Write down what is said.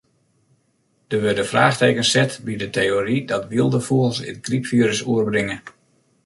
Der wurde fraachtekens set by de teory dat wylde fûgels it grypfirus oerbringe.